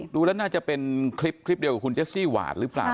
ดูแล้วน่าจะเป็นคลิปเดียวกับคุณเจสซี่หวาดหรือเปล่า